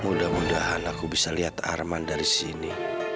mudah mudahan aku bisa lihat arman dari sini